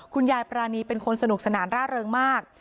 คุณยายปรานีเป็นคนสนุกสนานร่าเริงมาก